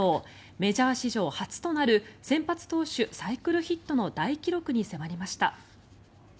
メジャー史上初となる先発投手サイクルヒットの大記録に迫りました。